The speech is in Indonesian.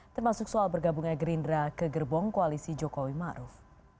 termasuk soal bergabungnya gerindra ke gerbong koalisi jokowi maruf